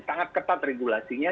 sangat ketat regulasinya